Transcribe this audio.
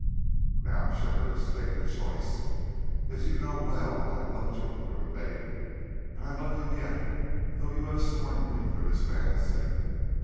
"Now, Shepherdess, take your choice. As you know well, I have loved you from a babe and I love you yet, though you have scorned me for this man's sake.